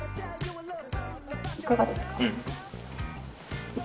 いかがですか。